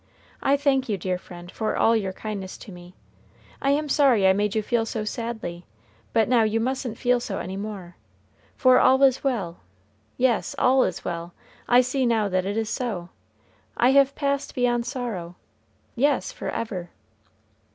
"I thank you, dear friend, for all your kindness to me. I am sorry I made you feel so sadly; but now you mustn't feel so any more, for all is well yes, all is well. I see now that it is so. I have passed beyond sorrow yes, forever."